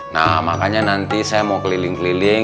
nah makanya nanti saya mau keliling keliling